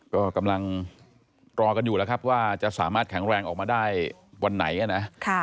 ก็กำลังรอกันอยู่แล้วครับว่าจะสามารถแข็งแรงออกมาได้วันไหนนะ